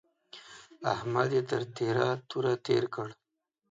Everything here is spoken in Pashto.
احمد يې تر تېره توره تېر کړ.